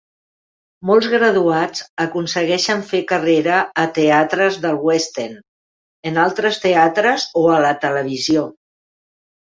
Molts graduats aconsegueixen fer carrera a teatres del West End, en altres teatres o a la televisió.